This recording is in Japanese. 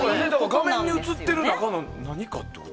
画面に映っている中の何かってこと？